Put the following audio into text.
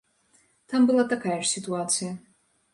Там была такая ж сітуацыя.